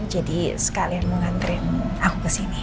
jadi sekalian mau nganterin aku kesini